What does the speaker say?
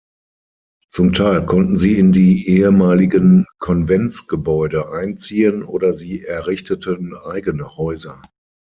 Zum Teil konnten sie in die ehemaligen Konventsgebäude einziehen oder sie errichteten eigene Häuser.